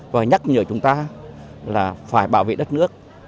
và nhắc nhở chúng ta là phải bảo vệ đất nước